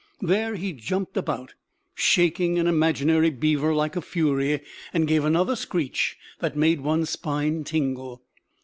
There he jumped about, shaking an imaginary beaver like a fury, and gave another screech that made one's spine tingle.